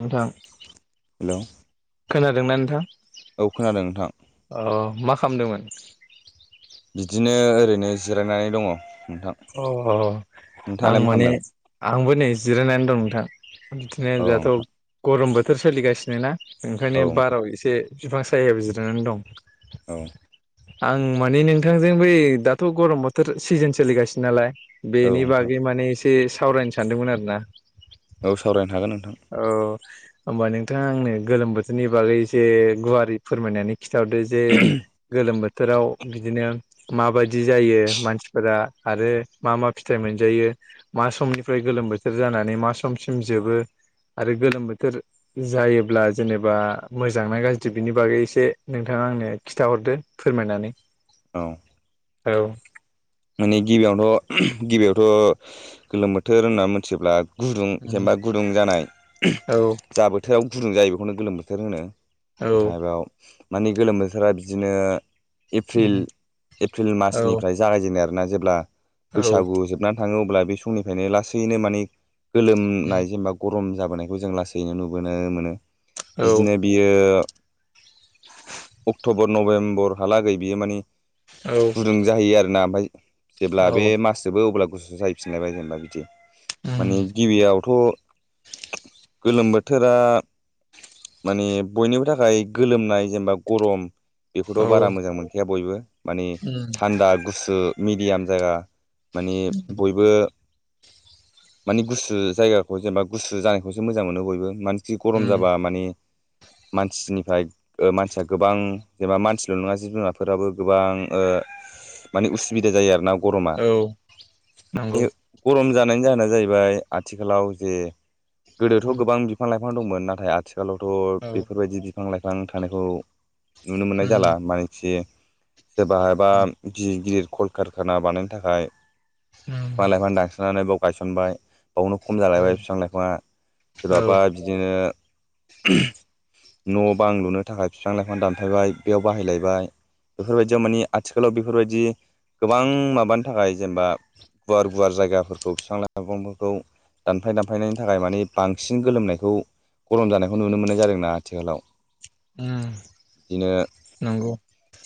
नोंथां हेलौ खोनादोंना नोंथां? औ खोनादों नोंथां। अ मा खालामदोंमोन? बिदिनो ओरैनो जिरायनानै दङ नोंथां अ। आं नोंथाङालाय मा माने खालामदों आंबो नै जिरायनानै दं नोंथां बिदिनो औ दाथ' नोंथां गरमबो बोथोर सोलिगासिनो ना औ ओंखायनो नोंथां बाराव एसे बिफां सायाया बिजिरनानै दं औ आं माने नोंथांजों बै दाथ' गरम बोथोर सिजोन सोलिगासिनो नालाय औ बेनि नोंथां बागै माने एसे सावरायनो सानदोंमोन आरोना। औ सावरायनो हागोन नोंथां औ होमबा नोंथाङा आंनो गोलोम बोथोरनि बागै एसे गुवारै फोरमायनानै खिथा हरदो जे गोलोम बोथोर बोथोराव बिदिनो माबायदि जायो मानसिफोरा आरो मा मा फिथाइ मोनजायो। मा समनिफ्राय गोलोम बोथोर जानानै मा समसिम जोबो आरो गोलोम बोथोर जायोब्ला जेनेबा मोजांना गाज्रि बिनि बागै एसे नोंथाङा आंनो खिथा हरदो फोरमायनानै औ। औ। माने गिबियावथ' गिबियावथ' गोलोम बोथोर होनना मिथियोब्ला गुदुं जेनेबा गुदुं जानाय औ जा बोथोराव गुदुं जायो बेखौनो गोलोम बोथोर होनो औ ओमफायबाव मानि गोलोम बोथोरा बिदिनो एप्रिल औ मासनिफ्राय जागायजेनाय आरोना जेब्ला औ बैसागु जोबनानै थाङो अ अब्ला बे समनिफ्रायनो लासैनो माने गोलोमना जेनबा गरम बोनायखौ जों लासैनो नुबोनो मोनो औ बिदिनो बियो अक्ट'बर नभेम्बरहालागै बियो मानि गुदुं जाहैयो आरोना ओमफ्राय जेब्ला बे मास जोबो अब्ला गुसु जाहैफिनलाइबाय जेनबा बिदि। माने गिबियावथ' गोलोम बोथोरा माने बयनिबो थाखाय गोलोमनाय जेनेबा गरम औ बेखौथ' बारा मोजां मोनखाया बयबो माने थान्दा गुसु मिडियाम जागा। माने औ बयबो मानि गुसु जायगाखौ जेनेबा गुसु जानायखौसो मोजां मोनो बयबो मा जि गरम उम जाबा माने मानसिनिफ्राय ओ मानसिया गोबां जेनेबा मानसिल' नङा जिब जुनारफोराबो गोबां ओ ओ मानि उसुबिदा जायो आरोना गरमा औ नंगौ [unintelligible] गरम जानायनि जाहोना जाहैबाय आथिखालाव जे गोदोथ' उम गोबां बिफां लाइफां दंमोन नाथाय आथि खालावथ' औ बेफोरबायदि बिफां लाइफां थानायखौ नुनो मोननाय उम जाला मानिथि सोरबाबा उम गिदिर गिदिर कल कारखाना बानायनो थाखाय। उम बिफां लाइफां दासनानै बेयाव गायसनबाय। बेयावनो खम औ जालायबाय बिफां लाइफाङा औ सोरबाबा बिदिनो न' बां लुनो थाखाय बिफां लाइफां दानफायबाय बेयाव बाहायलायबाय। बेफोरबायदियाव मानि आथिखालाव बेफोरबायदि गोबां माबानि थाखाय जेनेबा गुवार गुवार जायगाफोरखौ बिफां लाइफांफोरखौ दानफाय दानफायनायनि थाखाय मानि बांसिन गोलोमनायखौ गरम जानायखौ नुनो मोननाय जादोंना आथिखालाव। उम बिदिनो नंगौ।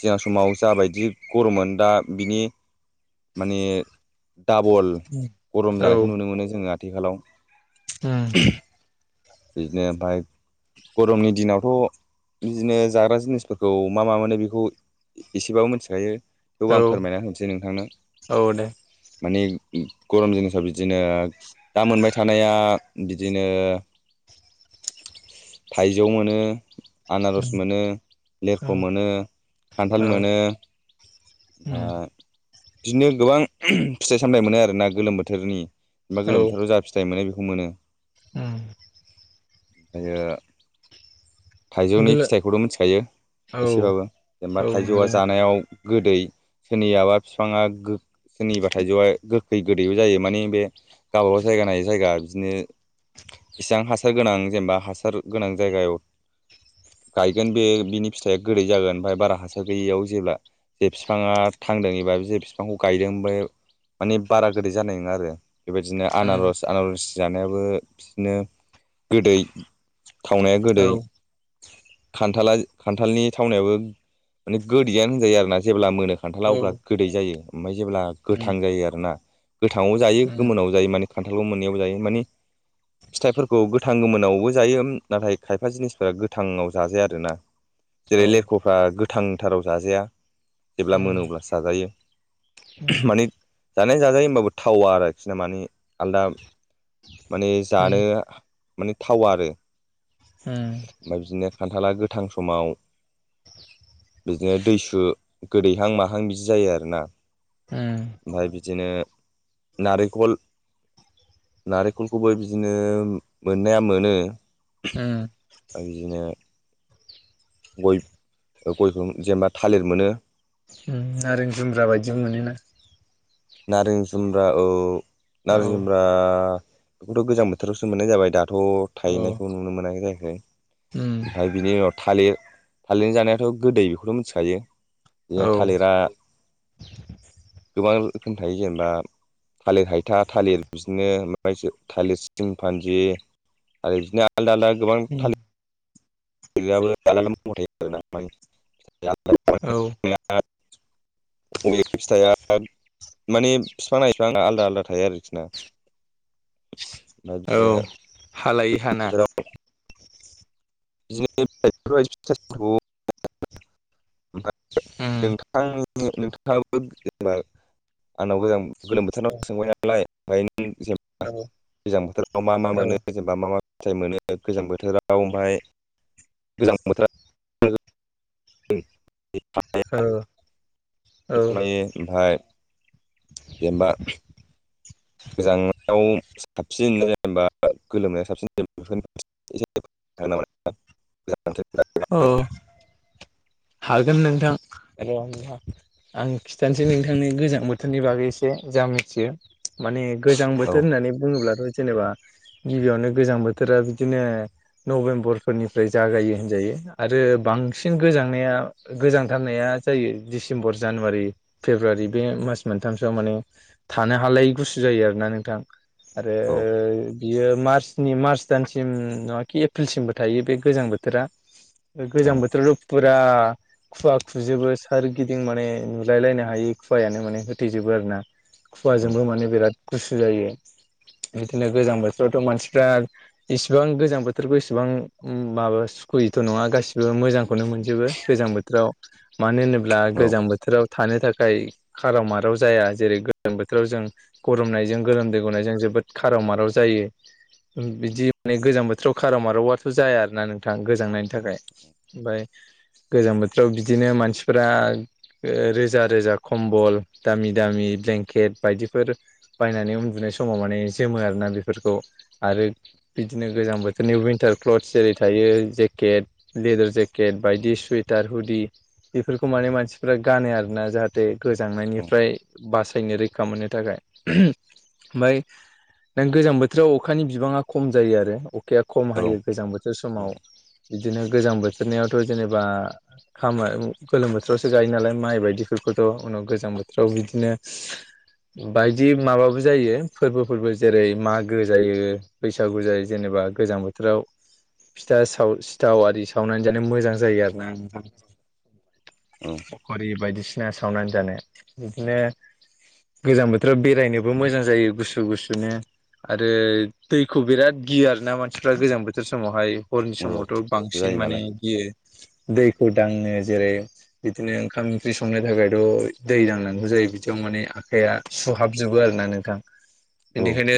सिगां समाव जाबायदि गरममोन दा बिनि माने डाबल उम गरम औ जानायखौ नुनो मोनो जोङो आथिखालाव। उम बिदिनो ओमफ्राय गरमनि दिनावथ' बिदिनो जाग्रा जिनिसफोरखौ मा मा मोनो बेखौ एसेबाबो मिथिखायो। थेवबो औ आं फोरमायना होनोसै नोंथांनो। औ दे माने गरम जिनिसाव बिदिनो दा मोनबाय थानाया बिदिनो थाइजौ मोनो। आनारस उम मोनो औ लेरख मोनो खान्थाल औ मोनो। ओ उम बिदिनो गोबां फिथाइ सामथाय मोनो आरोना गोलोम बोथोरनि एबा गोलोम बोथोराव जा फिथाइ मोनो मोनो ओम [unintelligible] थाइजौनि गोलो फिथाइखौथ' मिथिखायो औ एसेबाबो जेनेबा औ थाइजौआ नंगौ उम औ जानायाव गोदै सोरनियाबा बिफाङा गो सोरनिबा थाइजौआ गो खै गोदैबो जायो माने बे गावबागाव जायगा नायै जायगा बिदिनो इसेबां हासार गोनां जेनेबा हासार गोनां जायगायाव गायगोन बे बिनि फिथाइया गोदै जागोन ओमफ्राय बारा हासार गैयियाव जेब्ला जे बिफाङा थांदों एबा जे बिफांखौ गायदों ओमफ्राय माने बारा गोदै जानाय नङा आरो। बेबायदिनो आनारस आनारस जानायाबो बिदिनो गोदै। थावनाया औ उम गोदै खान्थाला खान्थालनि थावनायाबो माने गोदैयानो होनजायो आरोना जेब्ला मोनो खान्थाला अब्ला गोदै जायो। ओमफ्राय जेब्ला उम गोथां जायो आरोना गोथाङाव जायो औ उम गोमोनाव जायो माने खान्थालखौ मोननैयावबो जायो माने फिथाइफोरखौ गोथां गोमोनावबो जायो नाथाय खायफा जिनिसफोरा गोथांआव जाजाया आरोना। जेरै उम लेरखफ्रा गोथांथाराव जाजाया जेब्ला मोनो अब्लासो जाजायो। मानि जानाय जाजायो होमबाबो थावा आरोखि ना माने आलादा माने जानो माने थावा आरो उम ओमफ्राय बिदिनो खान्थाला गोथां समाव। बिदिनो दैसु गोदैहां माहां बिदि जायो आरोना उम ओमफ्राय बिदिनो। नारेंखल-नारेंखलखौबो बिदिनो बिदिनो मोननाया मोनो ओ। गय-गयखौ जेनेबा थालिर मोनो ओम नारें जुमब्रा बायदिबो मोनोना नारें जुम्ब्रा औ औ नारें जुमब्रा। बेखौथ गोजां बोथोरावसो मोननाय जाबाय दाथ औ थायनायखौ नुनो मोनायै जाहैबाय। उम ओमफ्राय बिनि उनाव थालिर थालिरनि जानायाथ' गोदै बेखौथ' मिथिखायो जे औ थालिरा गोबां रोखोम थायो जेनेबा थालिर हायथा थालिर बिदिनो माने थालिर सिमफानजि आरो बिदिनो। आलादा आलादा गोबां उम थालिर औ [inaudible] [inaudible] बबे फिथाइया माने बिफां-लाइफां आलादा आलादा थायो आरोखि ना। औ ओमफ्राय हा लायै हा ना। बिदिनो बोथोराव [inaudible] उम औ [unintelligible] औ औ [unintelligible] फिथाइ मोनो गोजां बोथोराव ओमफाय गोजां बोथोराव औ [unintelligible] जेनेबा। [unintelligible] [unintelligible] औ। हागोन नोंथां र' होनबा आं खिथानोसै नोंथांनि गोजां बोथोरनि बागै एसे जा मिथियो माने गोजां बोथोर औ होननानै बुङोब्लाथ' जेनेबा गिबियावनो गोजां बोथोरा बिदिनो। नभेम्बरफोरनिफ्राय जागायो होनजायो। आरो बांसिन गोजांनाया गोजांथारनाया जायो डिसेम्बर जानुवारि फेब्रुवारि। फेब्रुवारि बे मास मोनथामसोआव माने थानो हालायै गुसु जायो आरोना नोंथां। आरो औ बियो मार्चनि मार्च दानसिम नङाखि एप्रिलसिमबो थायो बे गोजां बोथोरा गोजां औ बोथोरथ' फुरा खुवा खुजोबो सोरगिदिं माने नुलायलायनो हायि खुवायानो माने होथैजोबो आरो ना। खुवाजोंबो उम माने बेराद गुसु जायो। बिदिनो गोजां बोथोरावथ मानसिफ्रा इसिबां गोजां बोथोरखौ इसिबां माबा सुखुयैथ'। थ' नङा गासिबो मोजांखौनो मोनजोबो गोजां बोथोराव मानो होनोब्ला औ गोजां बोथोराव थानो थाखाय खाराव माराव जाया जेरै गोजां बोथोराव जों गरमनायजों गलोम दै गौनायजों जोबोद जोबोद खाराव माराव जायो। औ बिदि माने गोजां बोथोराव खाराव मारावाथ जाया आरो ना नोंथां गोजांनाय। थाखाय ओमफ्राय गोजां बोथोराव बिदिनो मानसिफ्रा रोजा रोजा खम्बल दामि दामि ब्लेंकेट बायदिफोर बायनानै उन्दुनाय समाव माने जोमो आरोना बेफोरखौ आरो। बिदिनो गोजां बोथोरनि उइनटार क्लथस जेरै थायो जे जेकेट लेदार जेकेट बायदि सुवेटार हुदि बेफोरखौ माने मानसिफ्रा गानो आरोना जाहाथे। गोजांनायनिफ्राय बासायनो रैखा मोननो थाखाय ओमफाय नों गोजां बोथोराव अखानि बिबाङा खम जायो आरो अखाया खम औ हायो गोजां बोथोर औ समाव। [unintelligible] थ' उनाव गोजां बोथोराव बिदिनो बायदि माबाबो जायो फोरबोफोरबो जेरै मागो जायो बैसागु जायो जेनेबा ओ गोजां बोथोराव फिथा साव थाव आरि सावनानै जानो मोजां जायो आरो ना नोंथां औ फखरि बायदिसि सिना सावनानै जानो बिदिनो गोजां बोथोराव बेरायनोबो मोजां जायो गुसु गुसुनो। आरो दैखौ बिराद गियो आरो ना मानसिफ्रा गोजां बोथोर समावहाय। हरनि औ समावथ' गुसु बांसिन जायो माने नालाय गियो दैखौ दांनो जेरै बिदिनो ओंखाम ओंख्रि संनो थाखायथ' दै दांनांगौ जायो बिदियाव माने आखाया सुहाबजोबो आरोना नोंथां औ बेनिखायनो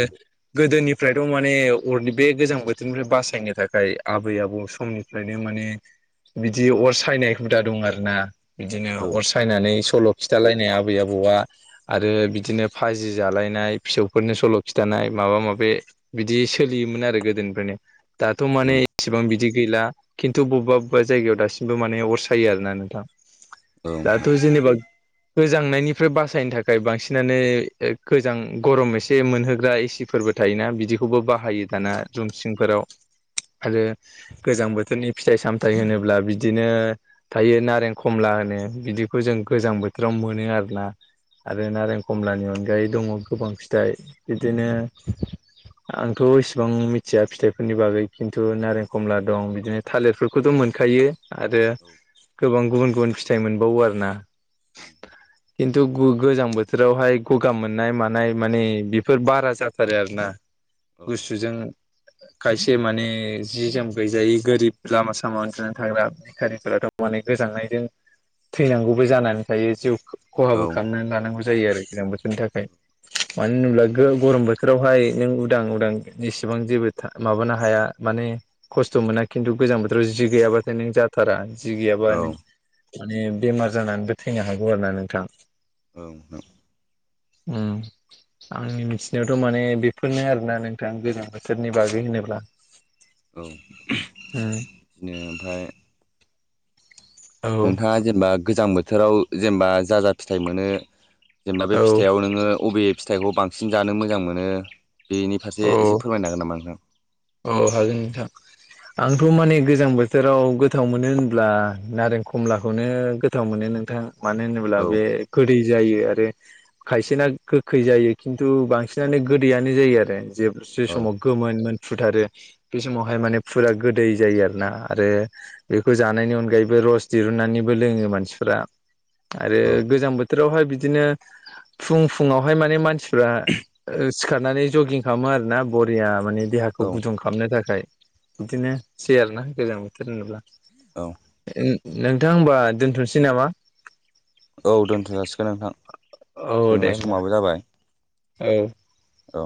गोदोनि फोराथ' माने अरनि बे गोजां बोथोरनिफ्राय बासायनो थाखाय आबै-आबौ समनिफ्रायनो माने बिदि अर सायनाय हुदा दं आरो ना। बिदिनो औ अर सायनानै सल' खिथालायनाय आबै आबौआ आरो बिदिनो फाजि जालायनाय फिसौफोरनो सल' खिथाना नाय माबा माबि बिदि सोलियोमोन आरो गोदोनिफ्रायनो दाथ' माने औ इसेबां बिदि गैला खिन्थु बबेबा बबेबा जायगायाव दासिमबो माने अरसायो आरोना नोंथां। औ दाथ' जेनेबा गोजांनायनिफ्राय बासायनो थाखाय बांसिनानो गोजां गरम एसे मोनहोग्रा एसिफोरबो थायोना बिदिखौबो बाहायो दाना जुमसिंफोराव आरो गोजां बोथोरनि फिथाइ सामथाइ होनोब्ला बिदिनो थायो नारें खमला होनो बिदिखौ जों गोजां बोथोराव मोनो आरोना। आरो नारें खमलानि अनगायै दङ' गोबां फिथाइ बिदिनो आंथ' इसिबां मिथिया फिथाइफोरनि बागै खिन्थु नारें खमला दं बिदिनो थालिरफोरखौथ' मोनखायो आरो गोबां गुबुन गुबुन फिथाइ मोनबावो आरो ना। उम खिन्थु गु गोजां बोथोरावहाय गगा मोननाय मानाय माने बेफोर बारा जाथारो आरो ना गुसुजों खायसे माने जि जोम गैजायै गोरिब लामा सामा उन्दुनानै थाग्रा बिखारिफोराथ' माने गोजांनायजों थैनांगौबो जानानै थायो जिउ खहाबो खालामनानै लानांगौ जायो आरो गोजां बोथोरनि थाखाय मानो होनोब्ला गो गरम बोथोरावहाय नों उदां -उदां जेसेबां जेबो माबानो हाया माने खस्थ' मोना खिन्थु गोजा बोथोराव जि गैयाबाथाय नों जाथारा जि गैयाबा औ औ नों माने बेमार जानानैबो थैनो हागौ आरो ना नोंथां। ओं [unintelligible] उम आंनि मिथिनायावथ' माने बेफोरनो आरोना नोंथां गोजां बोसोरनि बागै हिनोल्बा औ बिदिनो ओमफ्राय औ नोंथाङा जेनबा गोजां बोथोराव जेनबा जाजा फिथाइ मोनो जेनेबा बे औ फिथाइआव नोङो अबे फिथाइखौ बांसिन जानो मो बेनि फारसे औ एसे फोरमायनो हागोन नामा नोंथां? औ हायो नोंथां आंथ' माने गोजां बोथोराव गोथाव मोनो होनब्ला नारें खमलाखौनो गोथाव मोनो नोंथां। मानो होनोब्ला औ बे खोदै जायो आरो खायसेना गोखै जायो खिन्थु बांसिनानो गोदैयानो जायो आरो जे जे औ समाव गोमोनमोन फुथारो बे समावहाय माने फुरा गोदै जायो आरोना आरो बेखौ जानायनि अनगायैबो रस दिरुननानैबो लोङो मानसिफ्रा। आरो गोजां बोथोरावहाय बिदिनो फुं फुुंआवहाय माने मानसि फ्रा ओ सिखारनानै जगिं खालामो आरोना बरिया माने औ देहाखौ गुदुं खालामनो थाखाय। बिदिनोसै आरो ना गोजां बोथोर होनोब्ला। औ नोंथां होमबा दोनथ'नोसै नामा? औ दोनथ'जासिगोन नोंथां औ दे जोंना होमबा समाबो जाबाय। औ औ